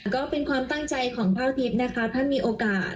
ก็เป็นความตั้งใจของพระอาทิตย์นะคะถ้ามีโอกาส